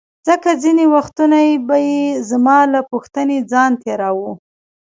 ځکه ځیني وختونه به یې زما له پوښتنې ځان تیراوه.